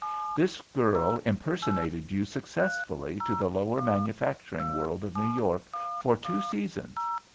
"This girl impersonated you successfully to the lower manufacturing world of New York for two seasons.